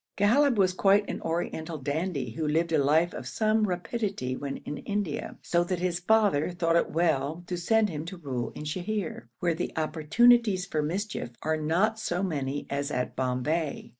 Ghalib was quite an oriental dandy, who lived a life of some rapidity when in India, so that his father thought it as well to send him to rule in Sheher, where the opportunities for mischief are not so many as at Bombay.